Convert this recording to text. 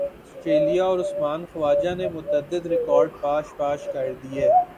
سٹریلیا اور عثمان خواجہ نے متعدد ریکارڈز پاش پاش کر دیے